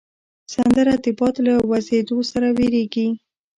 سندره د باد له وزېدو سره وږیږي